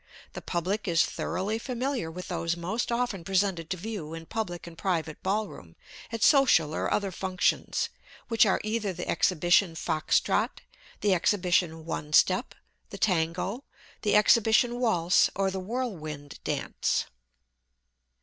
The public is thoroughly familiar with those most often presented to view in public and private ballroom, at social or other functions, which are either the Exhibition Fox Trot, the Exhibition One Step, the Tango, the Exhibition Waltz or the Whirlwind dance.